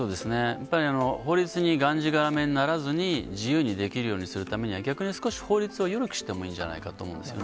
やっぱり、法律にがんじがらめにならずに、自由にできるようにするためには逆に少し法律を緩くしてもいいんじゃないかと思うんですよね。